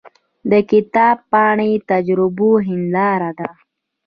د کتاب پاڼې د تجربو هنداره ده.